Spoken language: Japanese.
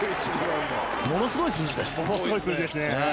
ものすごい数字ですね。